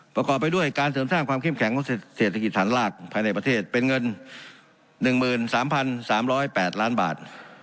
ประกอบไปด้วยการเสริมสร้างความเข้มแข็งของเศรษฐกิจฐานรากภายในประเทศเป็นเงิน๑๓๓๐๘ล้านบาท